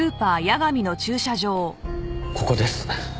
ここです。